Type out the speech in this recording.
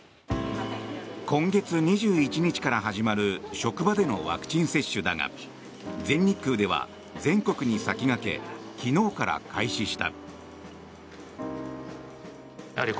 今月２１日から始まる職場でのワクチン接種だが全日空では全国に先駆け昨日から開始した。